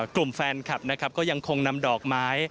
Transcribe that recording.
กลุ่มแฟนครับก็ยังคงนำดอกไม้